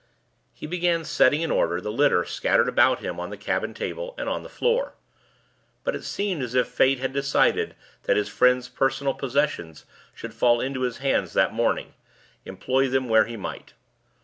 He began setting in order the litter scattered about him on the cabin table and on the floor. But it seemed as if fate had decided that his friend's personal possessions should fall into his hands that morning, employ them where he might.